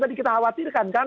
tadi kita khawatirkan kan